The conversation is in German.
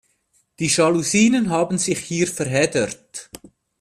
Die Jalousien haben sich hier verheddert.